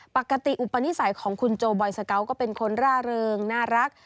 ปกติอุปนิสัยของคุณโจบอยสเกาะก็เป็นคนร่าเริงน่ารัก